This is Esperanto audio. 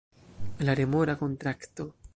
La remora kontrakto